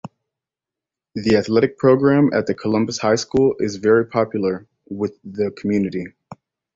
The athletic program at the Columbus High School is very popular with the community.